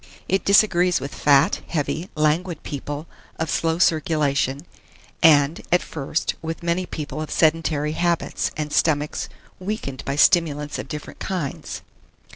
It "disagrees" with fat, heavy, languid people, of slow circulation; and, at first, with many people of sedentary habits, and stomachs weakened by stimulants of different kinds.